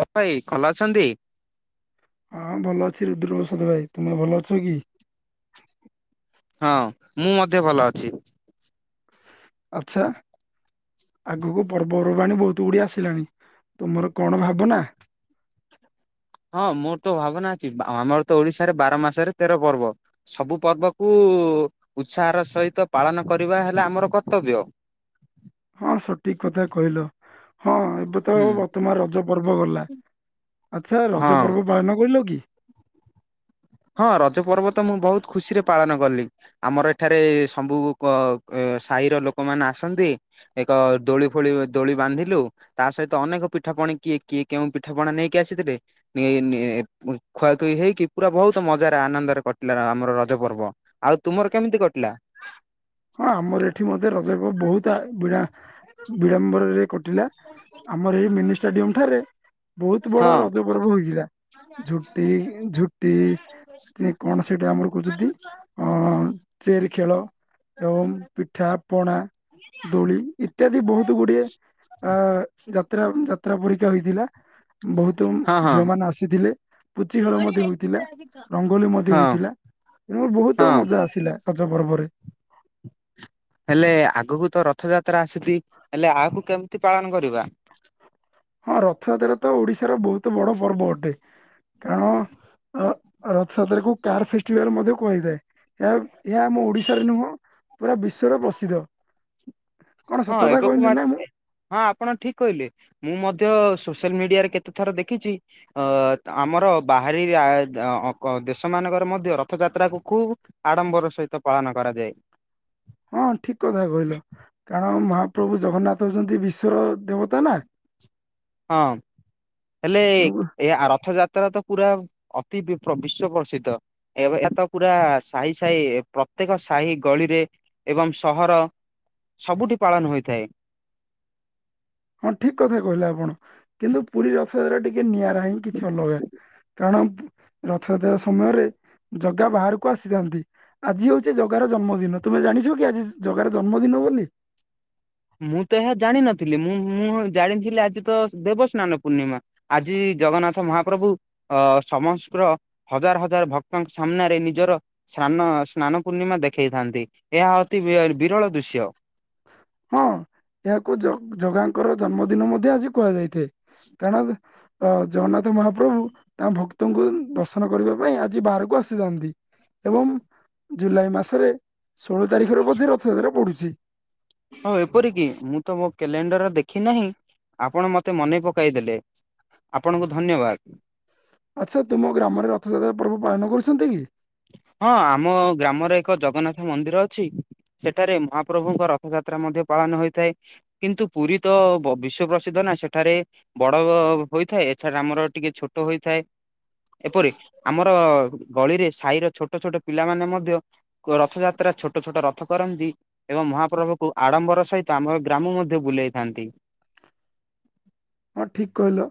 [unintelligible] କଲ ଅଛନ୍ତି। ହଁ ଭଲ ଅଛି ରୁଦ୍ରପ୍ରସାଦ ଭାଇ ତୁମେ ଭଲ ଅଛ କି? ହଁ ମୁଁ ମଧ୍ୟ ଭଲ ଅଛି। ଆଚ୍ଛା। ଆଗକୁ ପର୍ବପର୍ବାଣୀ ବହୁତ ଗୁଡିଏ ଆସିଲାଣି ତୁମର କଣ ଭାବନା। ହଁ ମୋର ତ ଭାବନା ଅଛି। ବା- ଆମର ତ ଓଡିଶାରେ ବାର ମାସରେ ତେର ପର୍ବ। ସବୁ ପର୍ବକୁ ଉତ୍ସାହର ସହିତ ପାଳନ କରିବା ହେଲା ଆମର କର୍ତ୍ତବ୍ୟ। କଣ ସଠିକ୍ କଥା କହିଲ। ହଁ ଏବେ ତ ହୁଁ ବର୍ତ୍ତମାନ ରଜ ପର୍ବ ଗଲା ଆଛା ହଁ ରଜ ପର୍ବ। ପାଳନ କରିଲ କି? ହଁ ରଜ ପର୍ବ ତ ମୁଁ ବହୁତ ଖୁସିରେ ପାଳନ କଲି। ଆମର ଏଠାରେ ସମ୍ବୁ-କ-ଏ ସାହିର ଲୋକମାନେ ଆସନ୍ତି। ଏକ ଦୋଳି ଫୋଳି ଦୋଳି ବାନ୍ଧିଲୁ। ତା ସହିତ ଅନେକ ପିଠାପଣି କିଏ କିଏ କେଉଁ ପିଠାପଣା ନେଇକି ଆସିଥିଲେ। ନିଏଇ ନିଏ ଖୁଆଖୁଇ ହେଇକି ପୁରା ବହୁତ। ବହୁତ ମଜାରେ ଆନନ୍ଦରେ କଟିଲା ଆମର ରଜ ପର୍ବ ଆଉ ତୁମର କେମିତି କଟିଲା। ହଁ ଆମର ଏଠି ମଧ୍ୟ [unintelligible] ବିଳାମ୍ବରରେ କଟିଲା ଆମର ଏଇ ମିନି ଷ୍ଟାଡିୟମ ଠାରେ। ବହୁତ ହଁ ବଡ ରଜପର୍ବ [unintelligible] ଯେ କଣ [unintelligible] ଚେରି ଖେଳ। ଏବଂ ପିଠା ପଣା ଦୋଳି ଇତ୍ୟାଦି ବହୁତ ଗୁଡିଏ ଅ ଯାତ୍ରା ଯାତ୍ରା ପରୀକା ହୋଇଥିଲା। ବହୁତ ହଁ ହଁ ଝିଅ ମାନ ଆସିଥିଲେ ପୁଚି ଖେଳ ମଧ୍ୟ ହଉଥିଲା। ରଙ୍ଗୋଲି ମଧ୍ୟ ହଁ ହେଇଥିଲା ମୁଁ ବହୁତ ହଁ ମଜା ଆସିଲା ରଜ ପର୍ବରେ। ହେଲେ ଆଗକୁ ତ ରଥଯାତ୍ରା ଆସିତି ହେଲେ ଆକୁ କେମିତି ପାଳନ କରିବା। ହଁ ରଥଯାତ୍ରା ତ ଓଡିଶାର ବହୁତ ବଡ଼ ପର୍ବ ଅଟେ କାରଣ। ଅ ରଥଯାତ୍ରା କୁ କାର ଫେଷ୍ଟିଭାଲ ମଧ୍ୟ କୁହାଯାଇଥାଏ। ଏହା ଏହା ଆମ ଓଡିଶାରେ ନୁହଁ ପୁରା ବିଶ୍ଵରେ ପ୍ରସିଦ୍ଧ। କଣ ହଁ ସତକଥା ଏବେକୁ କହିଲି ମା ନା ମୁଁ। ହଁ ଆପଣ ଠିକ କହିଲେ ମୁଁ ମଧ୍ୟ ସୋସିଆଲ ମିଡିଆରେ କେତେ ଥର ଦେଖିଚି। ଅ ଆମର। ବାହାରି ଆ-ଅଁ-କ- ଦେଶ ମାନଙ୍କର ମଧ୍ୟ ରଥଯାତ୍ରାକୁ ଖୁବ। ଆଡ଼ମ୍ବର ସହିତ ପାଳନ କରାଯାଏ। ହଁ ଠିକ୍ କଥା କହିଲ କାରଣ ମହାପ୍ରଭୁ ଜଗନ୍ନାଥ ହେଉଛନ୍ତି ବିଶ୍ୱର ଦେବତା ନା। ହଁ। ହେଲେ ତେଣୁ ଏ ଆ ରଥଯାତ୍ରା ତ ପୁରା ଅତି ବିପ୍ର-ବିଶ୍ଵ ପ୍ରସିଦ୍ଧ। ଏବେ ତ ପୁରା ସାହି ସାହି ପ୍ରତ୍ୟେକ ସାହି ଗଳିରେ ଏବଂ ସହର ସବୁଠି ପାଳନ ହୋଇଥାଏ। ହଁ ଠିକ କଥା କହିଲେ ଆପଣ କିନ୍ତୁ ପୁରୀ ରଥଯାତ୍ରା ଟିକେ ନିଆରା ହିଁ କିଛି ଅଲଗା‌। କାରଣ ରଥଯାତ୍ରା ସମୟରେ ଜଗା ବାହାରକୁ ଆସିଥାନ୍ତି। ଆଜି ହଉଛି ଜଗାର ଜନ୍ମଦିନ ତୁମେ ଜାଣିଛ କି ଆଜି ଜଗାର ଜନ୍ମଦିନ ବୋଲି। ମୁଁ ତ ଏହା ଜାଣିିନଥିଲି ମୁଁ ମୁଁ ଜାଣିଥିଲି ଆଜି ତ ଦେବସ୍ନାନ ପୂର୍ଣ୍ଣିମା। ଆଜି ଜଗନ୍ନାଥ ମହାପ୍ରଭୁ ଅ ସମସ୍ର ହଜାର ହଜାର ଭକ୍ତଙ୍କ ସାମ୍ନାରେ ନିଜର ସ୍ରାନ ସ୍ନାନ ପୂର୍ଣ୍ଣିମା ଦେଖେଇଥାନ୍ତି ଏହା ଅତି ବି-ବିରଳ ଦୃଶ୍ୟ। ହଁ ଏହାକୁ ଜଗ-ଜଗାଙ୍କର ଜନ୍ମଦିନ ମଧ୍ୟ ଆଜି କୁହାଯାଇଥାଏ କାରଣ ଅ ଜଗନ୍ନାଥ ମହାପ୍ରଭୁ ତାଙ୍କ ଭକ୍ତଙ୍କୁ ଦର୍ଶନ କରିବା ପାଇଁ ଆଜି ବାହାରକୁ ଆସିଥାନ୍ତି। ଏବଂ ଜୁଲାଇ ମାସରେ ଷୋଳ ତାରିଖରେ ବୋଧେ ରଥଯାତ୍ରା ପଢୁଛି। ହଁ ଏପରି କିି ମୁଁ ତ ମୋ କ୍ୟାଲେଣ୍ଡର ଦେଖି ନାହିଁ ଆପଣ ମତେ ମନେ ପକାଇ ଦେଲେ। ଆପଣଙ୍କୁ ଧନ୍ୟବାଦ। ଆଚ୍ଛା ତୁମ ଗ୍ରାମରେ ରଥଯାତ୍ରା ପର୍ବ ପାଳନ କରୁଛନ୍ତି କି? ହଁ ଆମ ଗ୍ରାମରେ ଏକ ଜଗନ୍ନାଥ ମନ୍ଦିର ଅଛି। ସେଠାରେ ମହାପ୍ରଭୁଙ୍କ ରଥଯାତ୍ରା ମଧ୍ୟ ପାଳନ ହୋଇଥାଏ। କିନ୍ତୁ ପୁରୀ ତ ବିଶ୍ଵ ପ୍ରସିଦ୍ଧ ନା ସେଠାରେ ବଡ ହୋଇଥାଏ ଏଥର ଆମର ଟିକେ ଛୋଟ ହୋଇଥାଏ। ଏପରି ଆମର ଗଳିରେ ସାହିର ଛୋଟ ଛୋଟ ପିଲାମାନେ ମଧ୍ୟ ରଥଯାତ୍ରା ଛୋଟ ଛୋଟ ରଥ କରନ୍ତି। ଏବଂ ମହାପ୍ରଭୁକୁ ଆଡ଼ମ୍ବର ସହିତ ଆମର ଗ୍ରାମ ମଧ୍ୟ ବୁଲେଇଥାନ୍ତି। ହଁ ଠିକ କହିଲ।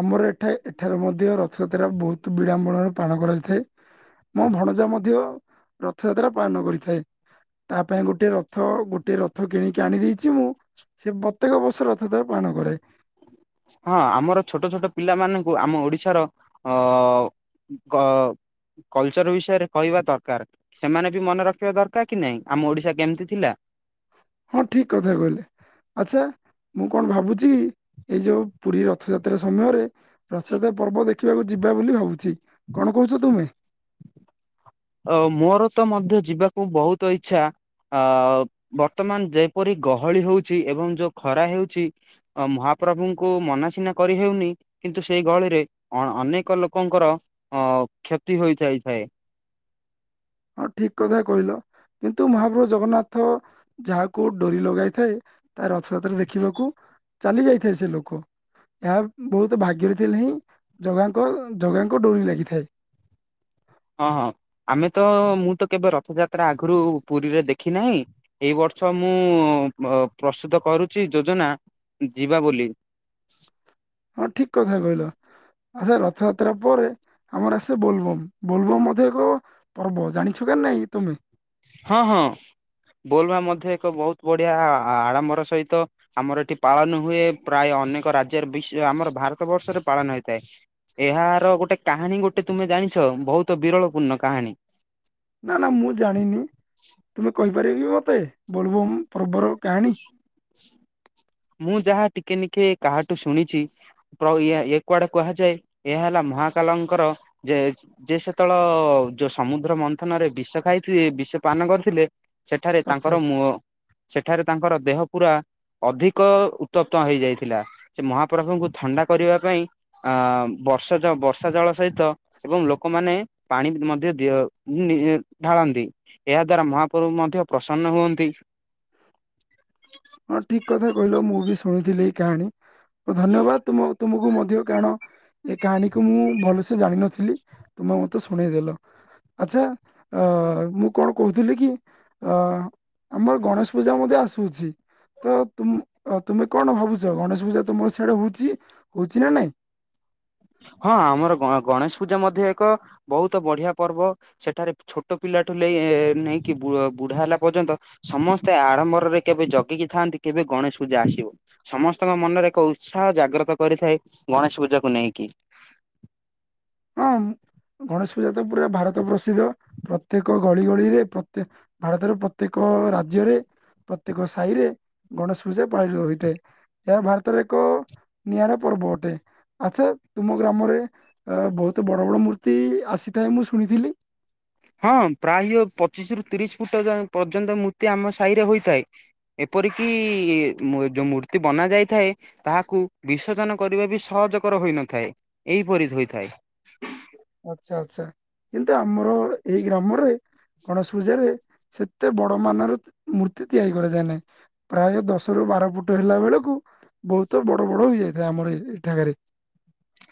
ଆମର ଏଠା ଏଠାରେ ମଧ୍ୟ ରଥଯାତ୍ରା ବହୁତ ବିଡ଼ବଳରେ ପାଳନ କରାଯାଇଥାଏ। ମୋ ଭଣଜା ମଧ୍ୟ ରଥଯାତ୍ରା ପାଳନ କରିଥାଏ। ତା ପାଇଁ ଗୋଟେ ରଥ ଗୋଟେ ରଥ କିଣିକି ଆଣି ଦେଇେଛି ମୁଁ। ସେ ପ୍ରତ୍ୟେକ ବର୍ଷ ରଥଯାତ୍ରା ପାଳନ କରେ। ହଁ ଆମର ଛୋଟ ଛୋଟ ପିଲାମାନଙ୍କୁ ଆମ ଓଡିଶାର ଅ [unintelligible] ଅ [unintelligible] କଲଚର ବିଷୟରେ କହିବା ଦରକାର ସେମାନେ ବି ମନେ ରଖିବା ଦରକାର କି ନାଇଁ ଆମ ଓଡିଶା କେମିତି ଥିଲା। ହଁ ଠିକ କଥା କହିଲେ ଆଚ୍ଛା। ମୁଁ କଣ ଭାବୁଛି ଏଇ ଯୋଉ ପୁରୀ ରଥଯାତ୍ରା ସମୟରେ ରଥଯାତ୍ରା ପର୍ବ ଦେଖିବାକୁ ଯିବା ବୋଲି ଭାବୁଛି କଣ କହୁଛ ତୁମେ? ଓ ମୋର ତ ମଧ୍ୟ ଯିବାକୁ ବହୁତ ଇଚ୍ଛା ଅ ବର୍ତ୍ତମାନ ଯେପରି ଗହଳି ହଉଛି ଏବଂ ଯୋଉ ଖରା ହେଉଛି ମହାପ୍ରଭୁଙ୍କୁ ମନା ସିନା କରିହେଉନି। କିନ୍ତୁ ସେଇ ଗହଳିରେ ଅ ଅନେକ ଲୋକଙ୍କର ଅ କ୍ଷତି ହୋଇଯାଇଥାଏ। ହଁ ଠିକ କଥା କହିଲ କିନ୍ତୁ ମହାପ୍ରଭୁ ଜଗନ୍ନାଥ ଯାହାକୁ ଡୋରି ଲଗାଇ ଥାଏ ତା ରଥଯାତ୍ରା ଦେଖିବାକୁ ଚାଲି ଯାଇଥାଏ ସେ ଲୋକ ଏହା ବହୁତ ଭାଗ୍ୟରେ ଥିଲେ ହିଁ ଜଗାଙ୍କ ଜଗାଙ୍କ ଡୋରି ଲାଗିଥାଏ। ହଁ ହଁ ଆମେ ତ ମୁଁ ତ କେବେ ରଥଯାତ୍ରା ଆଗରୁ ପୁରୀରେ ଦେଖି ନାହିଁ। ଏଇ ବର୍ଷ ମୁଁ ପ୍ରସ୍ତୁତ କରୁଛି ଯୋଜନା ଯିବା ବୋଲି। ହଁ ଠିକ କଥା କହିଲ ଆଛା ରଥଯାତ୍ରା ପରେ ଆମର ଆସେ ବୋଲବମ ବୋଲବମ୍ ମଧ୍ୟ ଏକ ପର୍ବ ଜାଣିଛ କେ ନାଇଁ ତମେ। ହଁ ହଁ ବୋଲମା ମଧ୍ୟ ଏକ ବହୁତ ବଢିଆ ଆଡ଼ମ୍ବର ସହିତ ଆମର ଏଠି ପାଳନ ହୁଏ ପ୍ରାୟ ଅନେକ ରାଜ୍ୟରେ ବିଶ ଆମର ଭାରତ ବର୍ଷରେ ପାଳନ ହେଇଥାଏ। ଏହାର ଗୋଟେ କାହାଣୀ ଗୋଟେ ତୁମେ ଜାଣିଛ ବହୁତ ବିରଳପୂର୍ଣ୍ଣ କାହାଣୀ? ନା ନା ମୁଁ ଜାଣିନି ତୁମେ କହିପାରିବକି ମୋତେ ବୋଲଭୋମ ପର୍ବର କାହାଣୀ? ମୁଁ ଯାହା ଟିକେ ନିକେ କାହାଠୁ ଶୁଣିଚି। ହଁ ୟା ଏ କୁଆଡେ କୁହାଯାଏ ଏହା ହେଲା ମହାକାଲଙ୍କର ଯେ ଯେ ସେତେବେଳ ଯୋଉ ସମୁଦ୍ର ମନ୍ଥନରେ ବିଷ ଖାଇଥିଲେ ବିଷ ପାନ କରିଥିଲେ। ସେଠାରେ ଆଚ୍ଛା ତାଙ୍କର ଆଚ୍ଛା ମୁହ ସେଠାରେ ତାଙ୍କର ଦେହ ପୁରା ଅଧି କ ଉତ୍ତପ୍ତ ହେଇଯାଇଥିଲା ସେ ମହାପ୍ରଭୁଙ୍କୁ ଥଣ୍ଡା କରିବା ପାଇଁ। ଆ ବର୍ଷାଚ ବର୍ଷା ଜଳ ସହିତ। ଏବଂ ଲୋକମାନେ ପାଣି ମଧ୍ୟ ଦିଅ ନିଜେ ଢାଳନ୍ତି। ଏହା ଦ୍ଵାରା ମହାପ୍ରଭ ମଧ୍ୟ ପ୍ରସନ୍ନ ହୁଅନ୍ତି। ହଁ ଠିକ୍ କଥା କହିଲ ମୁଁ ବି ଶୁଣିଥିଲି ଏଇ କାହାଣୀ। ଧନ୍ୟବାଦ ତମ ତୁମକୁ ମଧ୍ୟ କାରଣ ଏ କାହାଣୀକୁ ମୁଁ ଭଲସେ ଜାଣିନଥିଲି ତୁମେ ମୋତେ ଶୁଣେଇଦେଲ। ଆଚ୍ଛା ଅ ମୁଁ କଣ କହୁଥିଲି କି। ଆ ଆମର ଗଣେଶ ପୂଜା ମଧ୍ୟ ଆସୁଅଛି। ତ ତୁ ତୁମେ କଣ ଭାବୁଛ ଗଣେଶ ପୂଜା ତୁମର ସିଆଡ଼େ ହଉଚି ହଉଚି ନା ନାଇଁ? ହଁ ଆମର ଗ ଗଣେଶ ପୂଜା ମଧ୍ୟ ଏକ ବହୁତ ବଢିଆ ପର୍ବ। ସେଠାରେ ଛୋଟ ପିଲା ଠୁ ନେଇ ନେଇକି ବୁଢା ହେଲା ପର୍ଯ୍ୟନ୍ତ। ସମସ୍ତେ ଆଡମ୍ବରରେ କେବେ ଜଗିକି ଥାନ୍ତି କେବେ ଗଣେଶ ପୂଜା ଆସିବ। ସମସ୍ତଙ୍କ ମନରେ ଏକ ଉତ୍ସାହ ଜାଗ୍ରତ କରିଥାଏ ଗଣେଶ ପୂଜାକୁ ନେଇ କି। ହଁ ଗଣେଶ ପୂଜା ତ ପୁରା ଭାରତ ପ୍ରସିଦ୍ଧ ପ୍ରତ୍ୟେକ ଗଳି ଗଳିରେ ପ୍ରତ୍ୟେ ଭାରତର ପ୍ରତ୍ୟେକ ରାଜ୍ୟରେ ପ୍ରତ୍ୟେକ ସାହିରେ ଗଣେଶ ପୂଜା ପାଳିତ ହୋଇଥାଏ। ଏହା ଭାରତରେ ଏକ। ନିଆରା ପର୍ବ ଅଟେ ଆଚ୍ଛା ତୁମ ଗ୍ରାମରେ ବହୁ ବଡ଼ ବଡ଼ ମୂର୍ତ୍ତି ଆସିଥାଏ ମୁଁ ଶୁଣିଥିଲି? ହଁ ପ୍ରାୟ ପଚିଶି ରୁ ତିରିଶି ଫୁଟ ପର୍ଯ୍ୟନ୍ତ ମୂର୍ତ୍ତି ଆମ ସାହି ରେ ହୋଇଥାଏ। ଏପରିକି ମୂ ଯୋଉ ମୂର୍ତ୍ତି ବନା ଯାଇଥାଏ। ତାହାକୁ ବିସର୍ଜନ କରିବା ବି ସହଜକର ହୋଇନଥାଏ ଏହିପରି ହୋଇଥାଏ। ଆଚ୍ଛା ଆଚ୍ଛା କିନ୍ତୁ ଆମର ଏଇ ଗ୍ରାମରେ ଗଣେଶ ପୂଜାରେ। ସେତେ ବଡ଼ ମାନର ମୂର୍ତ୍ତି ତିଆରି କରାଯାଏ ନାହିଁ। ପ୍ରାୟ ଦଶରୁ ବାର ଫୁଟ ହେଲା ବେଳକୁ ବହୁତ ବଡ଼ ବଡ଼ ହେଇଯାଇଥାଏ ଆମର ଏ ଏଠାକାରେ।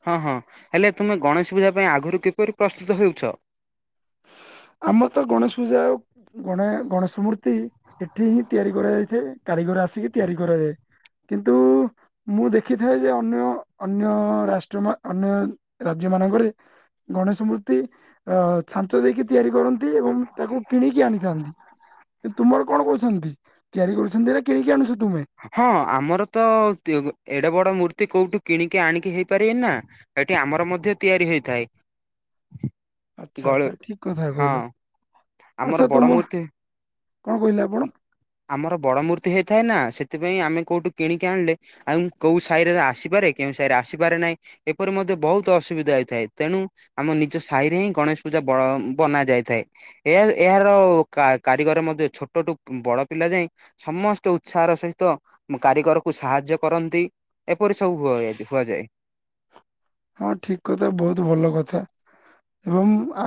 ହଁ ହଁ ହେଲେ ତୁମେ ଗଣେଶ ପୂଜା ପାଇଁ ଆଗରୁ କିପରି ପ୍ରସ୍ତୁତ ହେଉଚ? ଆମର ତ ଗଣେଶ ପୂଜା ଆଉ ଗଣାଅ ଗଣେଶ ମୂର୍ତ୍ତି ଏଠି ହିଁ ତିଆରି କରାଯାଇଥାଏ କାରିଗର ଆସିକି ତିଆରି କରାଯାଏ। କିନ୍ତୁ ମୁଁ ଦେଖିଥାଏ ଯେ ଅନ୍ୟ ଅନ୍ୟ ରାଷ୍ଟ୍ର ମାନ ଅନ୍ୟ ରାଜ୍ୟ ମାନଙ୍କରେ। ଗଣେଶ ମୂର୍ତ୍ତି ଅ ଛାଞ୍ଚ ଦେଇକି ତିଆରି କରନ୍ତି ଏବଂ ତାକୁ କିଣିକି ଆଣିଥାନ୍ତି। ତୁମର କଣ କହୁଛନ୍ତି ତିଆରି କରୁଛନ୍ତି ନା କିଣିକି ଆଣୁଛ ତୁମେ? ହଁ ଆମର ତ ତି ଏଡେ ବଡ଼ ମୂର୍ତ୍ତି କୋଉଠୁ କିଣିକି ଆଣିକି ହେଇପାରିବେନି ନା। ଏଠି ଆମର ମଧ୍ୟ ତିଆରି ହୋଇଥାଏ। ଆଚ୍ଛା ଆଚ୍ଛା ଠିକ୍ କଥା ହଁ କହିଲ ଆମର ଆଚ୍ଛା ବଡ ତୁମ ମୂର୍ତ୍ତି କଣ କହିଲେ ଆପଣ? ଆମର ବଡ ମୂର୍ତ୍ତି ହେଇଥାଏ ନା ସେଥିପାଇଁ ଆମେ କୋଉଠୁ କିଣିକି ଆଣିଲେ ଆଉଁ କୋଉ ସାହିରେ ଆସିପାରେ କେଉଁ ସାହିରେ ଆସିପାରେ ନାଇଁ। ଏପରି ମଧ୍ୟ ବହୁତ ଅସୁବିଧା ହେଇଥାଏ ତେଣୁ ଆମ ନିଜ ସାହିରେ ହିଁ ଗଣେଶ ପୂଜା ବ ବନା ଯାଇଥାଏ। ଏହା ଏହାର କା କାରିଗର ମଧ୍ୟ ଛୋଟଟୁ ବଡ ପିଲା ଯାଏଁ। ସମସ୍ତେ ଉତ୍ସାହର ସହିତ [unintelligible] କାରିଗରକୁ ସାହାଯ୍ୟ କରନ୍ତି। ଏପରି ସବୁ ହୁ ହୁହାଯାଏ। ହଁ ଠିକ୍ କଥା ବହୁତ୍ ଭଲ କଥା ଏବଂ ଆ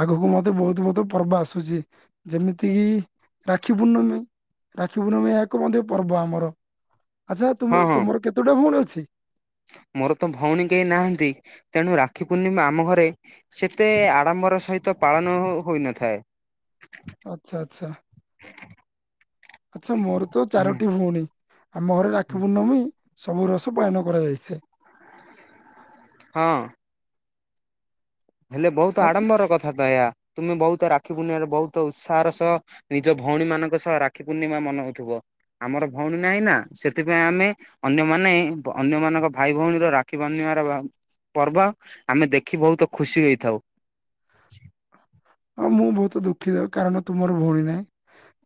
ଆଗକୁ ମଧ୍ୟ ବହୁତୁ ବହୁତୁ ପର୍ବ ଆସୁଚି ଯେମିତିକିି ରାକ୍ଷୀ ପୂର୍ଣ୍ଣମୀ ରାକ୍ଷୀ ପୂର୍ଣମୀ ଏହା ଏକ ମଧ୍ୟ ପର୍ବ ଆମର। ଆଚ୍ଛା ତୁମ ହଁ ହଁ ତୁମର କେତେଟା ଭଉଣୀ ଅଛି? ମୋର ତ ଭଉଣୀ କେଇ ନାହାନ୍ତି ତେଣୁ ରାକ୍ଷୀ ପୂର୍ଣ୍ଣିମା ଆମ ଘରେ ସେତେ ଆଡ଼ମ୍ବର ସହିତ ପାଳନ ହୋଇନଥାଏ। ଆଚ୍ଛା ଆଚ୍ଛା ଆଚ୍ଛା ମୋର ତ ଚାରୋଟି ଭଉଣୀ। ଆମ ଘରେ ରାକ୍ଷୀ ପୂର୍ଣ୍ଣମୀ ସବୁ ରସ ପାଳନ କରାଯାଇଥାଏ। ହଁ। ହେଲେ ବହୁତ ଆଉ ଆଡ଼ମ୍ବର କଥା ତ ଏୟା। ତୁମେ ବହୁତ ରାକ୍ଷୀ ପୂର୍ଣ୍ଣିମାରେ ବହୁତ ଉତ୍ସାହର ସହ ନିଜ ଭଉଣୀ ମାନଙ୍କ ସହ ରାକ୍ଷୀ ପୂର୍ଣ୍ଣିମା ମନାଉଥିବ। ଆମର ଭଉଣୀ ନାହିଁ ନା ସେଥିପାଇଁ ଆମେ ଅନ୍ୟମାନେ ବ ଅନ୍ୟମାନାନଙ୍କ ଭାଇ ଭଉଣୀର ରାକ୍ଷୀ ବାନ୍ଧିବାର ପର୍ବ ଆମେ ଦେଖି ବହୁତ ଖୁସି ହେଇଥାଉ। ହଁ ମୁଁ ବହୁତୁ ଦୁଃଖିତ କାରଣ ତୁମର ଭଉଣୀ ନାହିଁ।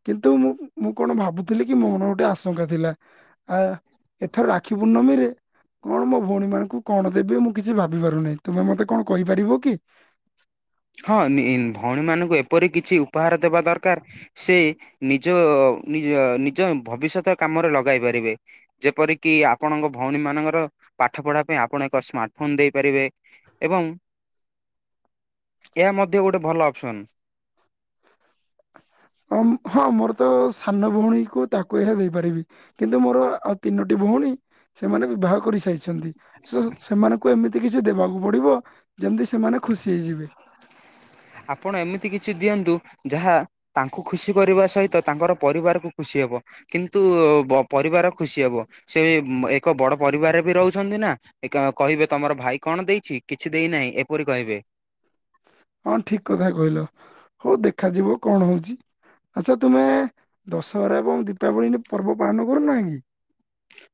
କିନ୍ତୁ ମୁଁ ମୁଁ କଣ ଭାବୁଥିଲି କି ମୋ ମନରେ ଗୋଟେ ଆଶଙ୍କା ଥିଲା। ଆ ଏଥର ରାକ୍ଷୀ ପୂର୍ଣ୍ଣମୀରେ କଣ ମୋ ଭଉଣୀମାନଙ୍କୁ କଣ ଦେବେ ମୁଁ କିଛି ଭାବି ପାରୁନାହିଁ ତୁମେ ମତେ କଣ କହିପାରିବ କି? ହଁ ନିଃ ଭଉଣୀମାନଙ୍କୁ ଏପରି କିଛି ଉପହାର ଦେବା ଦରକାର ସେ ନିଜ ନିଜ ନିଜ ଭବିଷ୍ୟତ କାମରେ ଲଗାଇ ପାରିବେ। ଯେପରିକି ଆପଣଙ୍କ ଭଉଣୀମାନଙ୍କର ପାଠ ପଢା ପାଇଁ ଆପଣ ଏକ ସ୍ମାର୍ଟ ଫୋନ୍ ଦେଇପାରିବେ। ଏବଂ ଏହା ମଧ୍ୟ ଗୋଟେ ଭଲ ଅପସନ୍। କମ୍ ହଁ ମୋର ତ ସାନ ଭଉଣୀକୁ ତାକୁ ଏହା ଦେଇପାରିବି। କିନ୍ତୁ ମୋର ଆ ଆଉ ତିନୋଟି ଭଉଣୀ ସେମାନେ ବିବାହ କରିସାରିଛନ୍ତି ସେ ସେମାନଙ୍କୁ ଏମିତି କିଛି ଦେବାକୁ ପଡିବ ଯେମ୍ତି ସେମାନେ ଖୁସି ହେଇଯିବେ। ଆପଣ ଏମିତି କିଛି ଦିଅନ୍ତୁ ଯାହା ତାଙ୍କୁ ଖୁସି କରିବା ସହିତ ତାଙ୍କର ପରିବାରକୁ ଖୁସି ହେବ। କିନ୍ତୁ ବ ପରିବାର ଖୁସି ହବ ସେ ଏକ ବଡ ପରିବାରରେ ବି ରହୁଛନ୍ତି ନା। ଏକା କହିବେ ତମର ଭାଇ କଣ ଦେଇଛି କିଛି ଦେଇନାହିଁ ଏପରି କହିବେ। ହଁ ଠିକ୍ କଥା କହିଲ ହଉ ଦେଖାଯିବ କଣ ହଉଚି। ଆଚ୍ଛା ତୁମେ ଦଶହରା ଏବଂ ଦୀପାବଳି ପର୍ବ ପାଳନ କରୁନାଁ କି?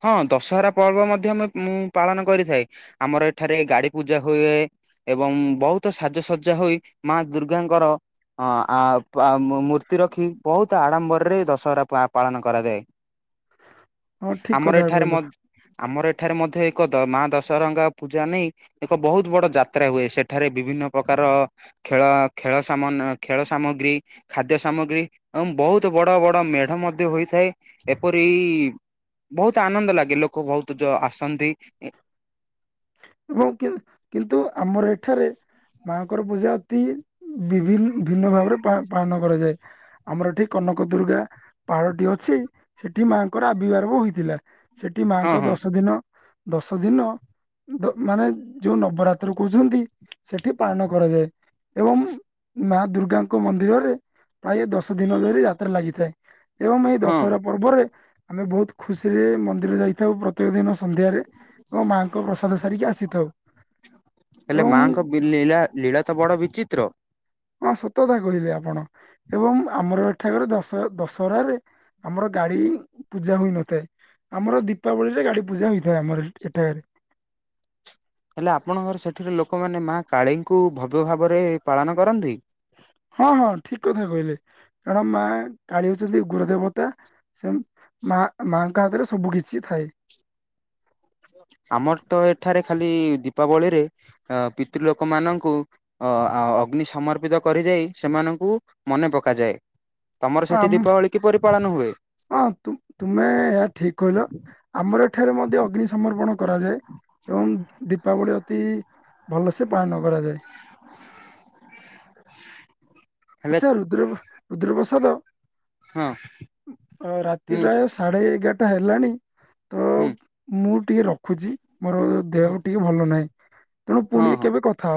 ହଁ ଦଶହରା ପର୍ବ ମଧ୍ୟ ମ ମୁଁଁ ପାଳନ କରିଥାଏ। ଆମର ଏଠାରେ ଗାଡି ପୂଜା ହୁଏ। ଏବଂ ବହୁତ ସାଜସଜ୍ଜା ହୋଇ ମା ଦୁର୍ଗାଙ୍କର ହଁ ଆ ପା ମୂର୍ତ୍ତି ରଖି ବହୁତ ଆଡ଼ମ୍ବରରେ ଦଶହରା ପା ପାଳନ କରାଯାଏ। ହଁ ଠିକ ଆମର କଥା ଏଠାରେ କହିଲ ମଦ୍ ଆମର ଏଠାରେ ମଧ୍ୟ ଏକ ଦ ମା ଦଶହରାଙ୍କ ପୂଜା ନେଇ ଏକ ବହୁତୁ ବଡ ଯାତ୍ରା ହୁଏ ସେଠାରେ ବିଭିନ୍ନ ପ୍ରକାର ଖେଳ ଖେଳ ସମନ୍ ଖେଳ ସାମଗ୍ରୀ ଖାଦ୍ୟ ସାମଗ୍ରୀ ଏବଂ ବହୁତ ବଡ଼ ବଡ଼ ମେଢ଼ ମଧ୍ୟ ହୋଇଥାଏ। ଏପରି ବହୁତ ଆନନ୍ଦ ଲାଗେ ଲୋକ ବହୁତ ଯ ଆସନ୍ତି। ଏବଂ କି କିନ୍ତୁ ଆମର ଏଠାରେ ମାଙ୍କର ପୂଜା ଅତି ବିଭି ଭିନ୍ନ ଭାବରେ ପା ପାଳନ କରାଯାଏ। ଆମର ଏଠି କନକ ଦୁର୍ଗା ପାହାଡଟି ଅଛି। ସେଠି ମାଙ୍କର ଆବିର୍ଭାବ ହୋଇଥିଲା। ସେଠି ହଁ ମାଆଙ୍କ ହଁ ଦଶ ଦିନ ଦଶ ଦିନ ମାନେ ଯୋଉ ନବରାତ୍ର କହୁଛନ୍ତି ସେଠି ପାଳନ କରାଯାଏ। ଏବଂ ମା ଦୁର୍ଗାଙ୍କ ମନ୍ଦିରରେ ପ୍ରାୟ ଦଶ ଦିନ ଧରି ଯାତ୍ରା ଲାଗିଥାଏ। ଏବଂ ଏଇ ହଁ ଦଶର ପର୍ବରେ ଆମେ ବହୁତ ଖୁସିରେ ମନ୍ଦିର ଯାଇଥାଉ ପ୍ରତ୍ୟେକ ଦିନ ସନ୍ଧ୍ୟାରେ, ଏବଂ ମାଆଙ୍କ କ ହେଲେ ଏବଂ ମାଙ୍କ ଲୀଳା ଲୀଳା ତ ବଡ଼ ବିଚିତ୍ର। ହଁ ସତତା କହିଲେ ଆପଣ। ଏବଂ ଆମର ଏଠାକ ଦଶ ଦଶହରାରେ ଆମର ଗାଡ଼ି ପୂଜା ହୋଇନଥାଏ। ଆମର ଦୀପାବଳିରେ ଗାଡ଼ି ପୂଜା ହୋଇଥାଏ ଆମର ଏଠାରେ। ହେଲେ ଆପଣଙ୍କର ସେଠିରେ ଲୋକମାନେ ମା କାଳୀଙ୍କୁ ଭବ୍ୟ ଭାବରେ ପାଳନ କରନ୍ତି। ହଁ ହଁ ଠିକ୍ କଥା କହିଲେ, କାର ମା କାଳୀ ହଉଛନ୍ତି ଗୃହ ଦେବତା ସେ ମା ମାଙ୍କ ହାତରେ ସବୁ କିଛି ଥାଏ। ଆମର ତ ଏଠାରେ ଖାଲି ଦୀପାବଳିରେ ଅ ପିତୃ ଲୋକ ମାନଙ୍କୁ ଅ ଅଗ୍ନି ସମର୍ପିତ କରିଯାଇ ସେମାନଙ୍କୁ ମନେ ପକାଯାଏ। ତମର ହଁ ସେଠି ଆମ ଦୀପାବଳି କିପରି ପାଳନ ହୁଏ? ହଁ ତୁ ତୁମେ ଏହା ଠିକ୍ କହିଲ। ଆମର ଏଠାରେ ମଧ୍ୟ ଅଗ୍ନି ସମର୍ପଣ କରାଯାଏ। ଏବଂ ଦୀପାବଳି ଅତି ଭଲସେ ପାଳନ କରାଯାଏ। ହେଲେ ଆଚ୍ଛା ରୁଦ୍ର ରୁଦ୍ର ପ୍ରସାଦ ହଁ ଅ ରାତି ହୁଁ ପ୍ରାୟ ସାଢ଼େ ଏଗାରଟା ହେଲାଣି ତ ହୁଁ ମୁଁ ଟିକେ ରଖୁଛି ମୋର ହଁ ଦେହ ବି ଟିକେ ଭଲ ନାହିଁ। ତେଣୁ ପୁଣି ହଁ। କେବେ କଥା